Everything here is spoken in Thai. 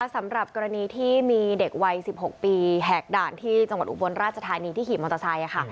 สำหรับกรณีที่มีเด็กวัย๑๖ปีแหกด่านที่จังหวัดอุบลราชธานีที่ขี่มอเตอร์ไซค์